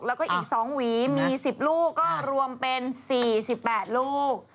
แล้วก็อีก๒หวีมี๑๐ลูกก็รวมเป็น๔๘ลูก